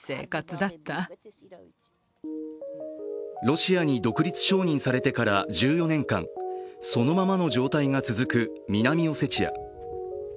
ロシアに独立承認されてから１４年間、そのままの状態が続く南オセチア。